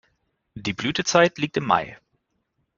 Die Blütezeit liegt im Mai.